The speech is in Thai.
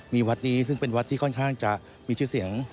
มีวัดนี้ซึ่งเป็นวัดที่ค่อนข้างจะมีชื่อเสียง